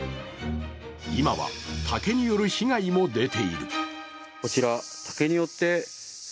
今は竹による被害も出ている。